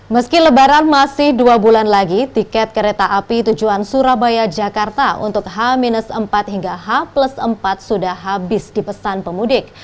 meski lebaran masih dua bulan lagi tiket kereta api tujuan surabaya jakarta untuk h empat hingga h empat sudah habis dipesan pemudik